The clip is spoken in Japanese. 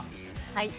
はい。